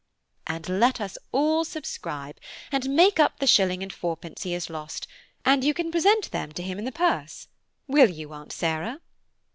"And let us all subscribe and make up the shilling and fourpence he has lost, and you can present them to him in the purse; will you, Aunt Sarah?"